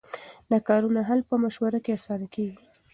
د کارونو حل په مشوره کې اسانه کېږي.